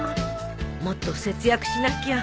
もっと節約しなきゃ。